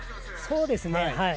そうですね。